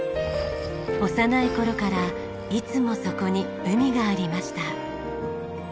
幼い頃からいつもそこに海がありました。